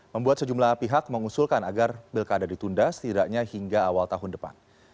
membuat sejumlah pihak mengusulkan agar pilkada ditunda setidaknya hingga awal tahun depan